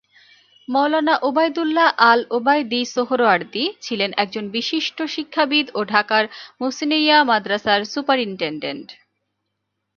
মওলানা ওবায়দুল্লাহ আল ওবায়দী সোহরাওয়ার্দী ছিলেন একজন বিশিষ্ট শিক্ষাবিদ ও ঢাকা মুহ্সিনিয়া মাদ্রাসার সুপারিনটেন্ডেন্ট।